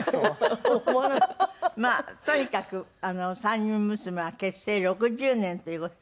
まあとにかく三人娘は結成６０年という。